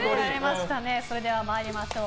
では参りましょう。